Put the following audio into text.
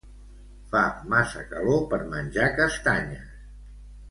Fa massa calor per menjar castanyes.